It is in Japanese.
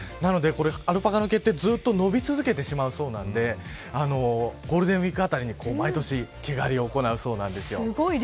アルパカの毛ってずっと伸び続けてしまうそうなんでゴールデンウイークあたりに毎年、毛刈りを行うそうです。